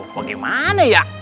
aduh bagaimana ya